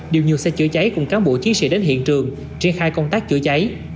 điều như xe chữa cháy cùng các bộ chiến sĩ đến hiện trường triển khai công tác chữa cháy